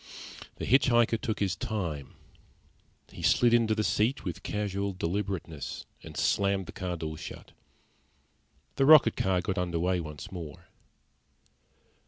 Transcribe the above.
The hitch hiker took his time. He slid into the seat with casual deliberateness and slammed the car door shut. The rocket car got under way once more.